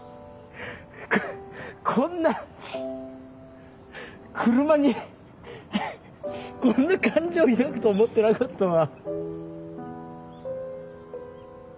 ここんな車にこんな感情抱くと思ってなかったわ。